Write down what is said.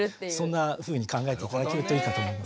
そんなふうに考えて頂けるといいかと思いますね。